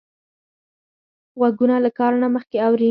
غوږونه له کار نه مخکې اوري